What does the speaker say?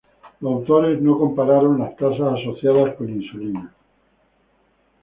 Los autores no compararon las tasas asociadas con insulina.